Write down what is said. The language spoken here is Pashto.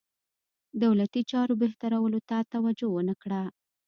دولتي چارو بهترولو ته توجه ونه کړه.